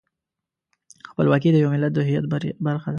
خپلواکي د یو ملت د هویت برخه ده.